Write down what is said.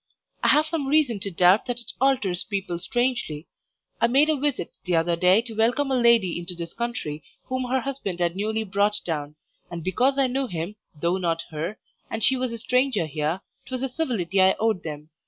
I have some reason to doubt that it alters people strangely. I made a visit t'other day to welcome a lady into this country whom her husband had newly brought down, and because I knew him, though not her, and she was a stranger here, 'twas a civility I owed them.